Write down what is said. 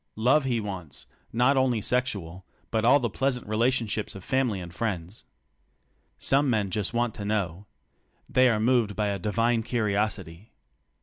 Love he wants — not only sexual, but all the pleasant relationships of fam ily and friends. Some men just want to know. They are moved by a divine curiosity.